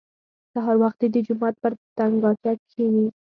سهار وختي د جومات پر تنګاچه کښېني.